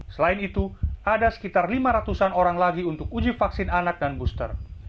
selain itu ada sekitar lima ratus an orang lagi untuk uji vaksin anak dan booster